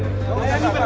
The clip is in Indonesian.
gak ada yang kasi banget